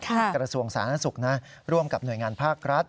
กระทรวงสาธารณสุขนะร่วมกับหน่วยงานภาครัฐ